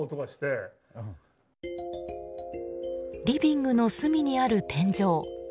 リビングの隅にある天井。